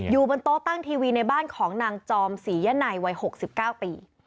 อยู่บนโต๊ะตั้งทีวีในบ้านของนางจอมศรียะในวัย๖๙ปี